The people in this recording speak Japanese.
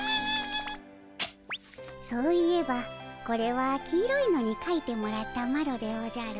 そういえばこれは黄色いのにかいてもらったマロでおじゃる。